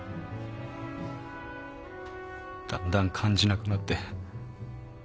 だんだん感じなくなって。